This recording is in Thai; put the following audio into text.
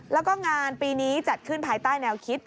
แล้วก็งานปีนี้จัดขึ้นภายใต้แนวคิด